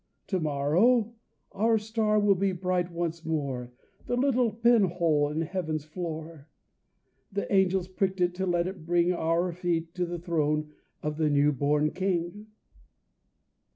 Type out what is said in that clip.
"To morrow our star will be bright once more The little pin hole in heaven's floor "The Angels pricked it to let it bring Our feet to the throne of the new born King!"